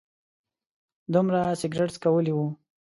دومره سګرټ څکولي و.